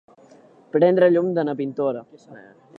Prendre llum de na Pintora.